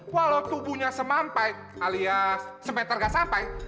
walau tubuhnya semampai alias sempai tergak sampai